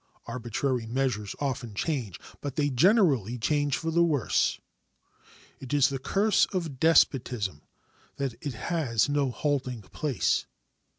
Arbitrary measures often change, but they generally change for the worse. It is the curse of despotism that it has no halting place.